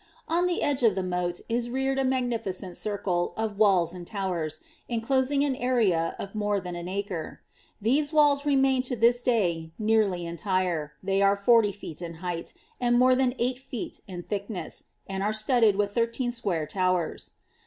On the edge of the mound is reared a magnificent circk of walls and towers, enclosing an area of more than an acra. T%m walls remain to this day neariy entire; they are forty feet in lie%ht, aal more than eight feet in thickness, and are studded with diirtean aaoM towers.